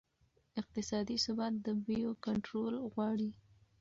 اقتصادي ثبات د بیو کنټرول غواړي.